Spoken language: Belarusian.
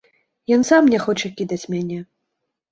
Ён сам не хоча кідаць мяне.